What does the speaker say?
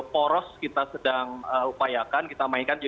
poros kita sedang upayakan kita mainkan